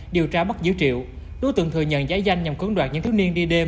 điều tra mất dữ triệu đối tượng thừa nhận giải danh nhằm cưỡng đoạt những thức niên đi đêm